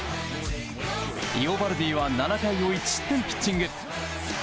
イオバルディは７回を１失点ピッチング。